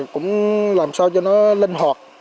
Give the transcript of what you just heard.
cũng làm sao cho nó linh hoạt